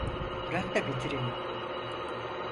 Bırak da bitireyim.